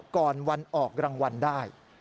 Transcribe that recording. ก่อนวันออกรางวัลได้